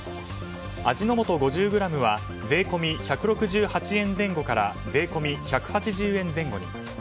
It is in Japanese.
味の素５０ｇは税込み１６８円前後から税込１８０円前後に。